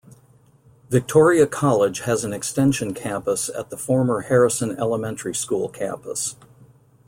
Victoria College has an extension campus at the former Harrison Elementary School campus.